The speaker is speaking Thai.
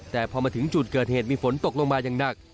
แต่พอมาถึงจุดเกิดเหตุมีฝนตกลงมาอย่างหนัก